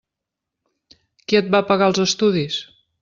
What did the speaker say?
Qui et va pagar els estudis?